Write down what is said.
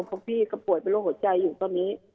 ของพี่ก็ป่วยเป็นโรคหัวใจอยู่ตอนนี้